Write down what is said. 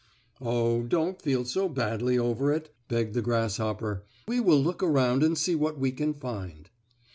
"Oh, don't feel so badly over it," begged the grasshopper. "We will look around and see what we can find."